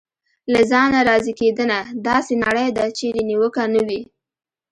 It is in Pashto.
له ځانه راضي کېدنه: داسې نړۍ ده چېرې نیوکه نه وي.